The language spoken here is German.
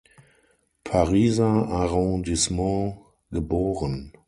Pariser Arrondissement geboren.